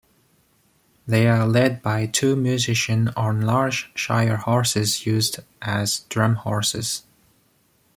They are led by two musicians on large Shire horses used as drum horses.